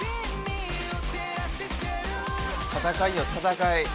戦いよ、戦い。